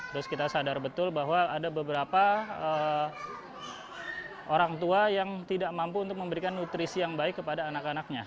terus kita sadar betul bahwa ada beberapa orang tua yang tidak mampu untuk memberikan nutrisi yang baik kepada anak anaknya